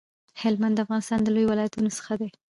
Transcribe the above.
هلمند د افغانستان د لویو ولایتونو څخه دی